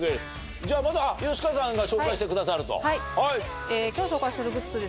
じゃまず吉川さんが紹介してくださると。